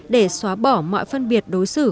để xóa bỏ mọi phân biệt đối xử